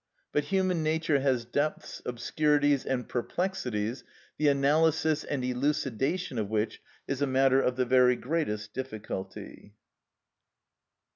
But human nature has depths, obscurities, and perplexities, the analysis and elucidation of which is a matter of the very greatest difficulty.